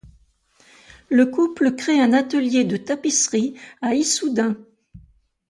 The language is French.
Le couple crée un atelier de tapisserie à Issoudun.